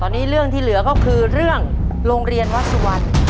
ตอนนี้เรื่องที่เหลือก็คือเรื่องโรงเรียนวัดสุวรรณ